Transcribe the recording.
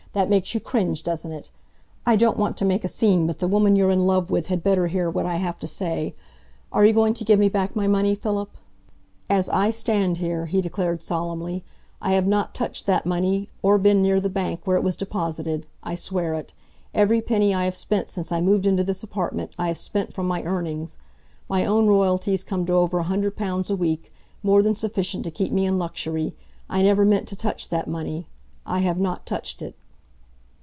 That makes you cringe, doesn't it? I don't want to make a scene, but the woman you're in love with had better hear what I have to say. Are you going to give me back my money, Philip?" "As I stand here," he declared solemnly, "I have not touched that money or been near the bank where it was deposited. I swear it. Every penny I have spent since I moved into this apartment, I have spent from my earnings. My own royalties come to over a hundred pounds a week more than sufficient to keep me in luxury. I never meant to touch that money. I have not touched it."